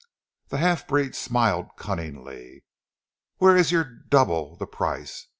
The half breed smiled cunningly. "Where is your double zee price?